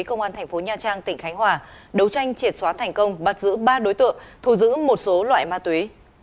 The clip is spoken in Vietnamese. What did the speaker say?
công an thành phố nha trang tỉnh khánh hòa đấu tranh triệt xóa thành công bắt giữ ba đối tượng thu giữ một số loại ma túy